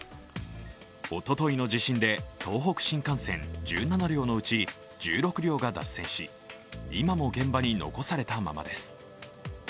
おとといの地震で東北新幹線１７両のうち１６両が脱線し、今も現場に残されたままです。